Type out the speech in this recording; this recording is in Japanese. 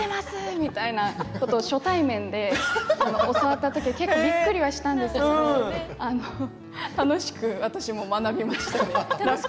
みたいなことを初対面で教わったときびっくりはしたんですけど楽しく私も学びましたね。